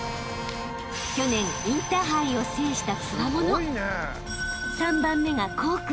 ［去年インターハイを制したつわもの］